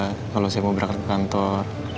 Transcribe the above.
kalau saya mau berangkat ke kantor